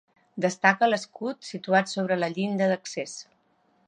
Destaca l'escut situat sobre la llinda d'accés.